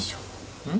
うん？